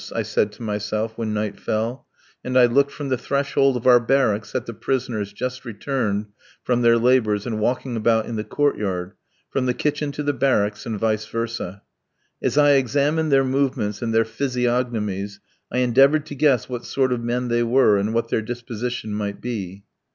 I said to myself when night fell, and I looked from the threshold of our barracks at the prisoners just returned from their labours and walking about in the court yard, from the kitchen to the barracks, and vice versâ. As I examined their movements and their physiognomies I endeavoured to guess what sort of men they were, and what their disposition might be.